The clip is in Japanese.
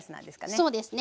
そうですね。